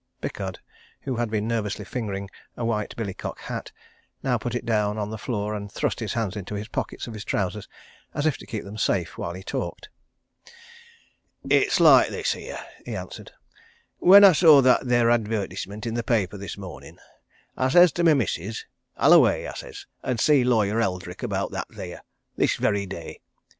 Pickard, who had been nervously fingering a white billycock hat, now put it down on the floor and thrust his hands into the pockets of his trousers as if to keep them safe while he talked. "It's like this here," he answered. "When I saw that there advertisement in the paper this mornin', says I to my missus, 'I'll away,' I says, 'an' see Lawyer Eldrick about that there, this very day!'